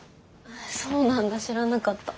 そうなんだ知らなかった。